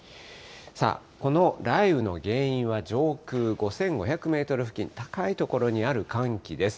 さあ、この雷雨の原因は上空５５００メートル付近、高い所にある寒気です。